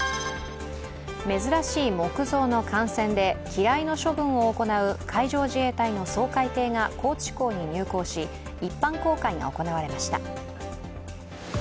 珍しい木造の艦船で機雷の処分を行う海上自衛隊の掃海艇が高知港に入港し、一般公開が行われました。